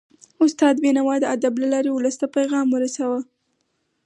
استاد بينوا د ادب له لارې ولس ته پیغام ورساوه.